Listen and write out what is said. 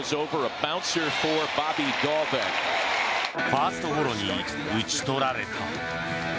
ファーストゴロに打ち取られた。